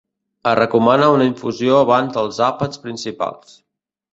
Es recomana una infusió abans dels àpats principals.